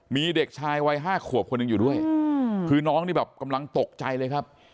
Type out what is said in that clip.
มีเด็กชายวัย๕ขวบคนหนึ่งอยู่ด้วยคือน้องนี่แบบกำลังตกใจเลยครับ